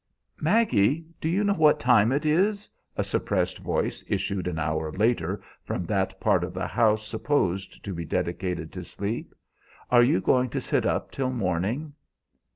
"Maggie, do you know what time it is?" a suppressed voice issued an hour later from that part of the house supposed to be dedicated to sleep. "Are you going to sit up till morning?"